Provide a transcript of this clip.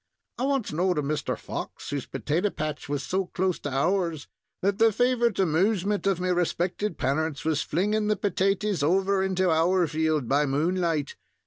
I once knowed a Mr. Fox, whose petaty patch was so close to ours, that the favorite amoosement of me respected parents was flingin' the petaties over into our field by moonlight.